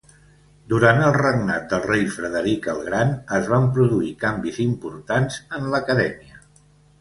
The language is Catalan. Durant el regnat del rei Frederic el Gran, es van produir canvis importants en l'acadèmia.